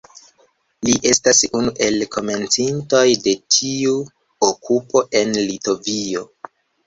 Li estas unu el komencintoj de tiu okupo en Litovio.